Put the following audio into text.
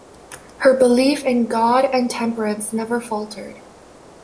Her belief in God and temperance never faltered.